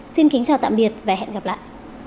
xin kính chào tạm biệt và hẹn gặp lại